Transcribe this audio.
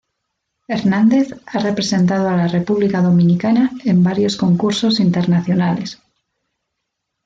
Hernández ha representado a la República Dominicana en varios concursos internacionales.